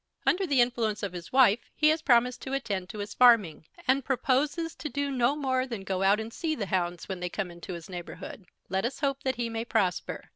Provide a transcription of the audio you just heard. Under the influence of his wife he has promised to attend to his farming, and proposes to do no more than go out and see the hounds when they come into his neighbourhood. Let us hope that he may prosper.